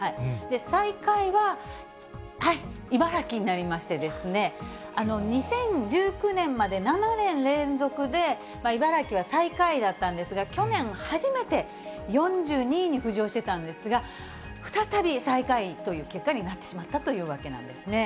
最下位は茨城になりまして、２０１９年まで７年連続で茨城は最下位だったんですが、去年初めて４２位に浮上してたんですが、再び最下位という結果になってしまったというわけなんですね。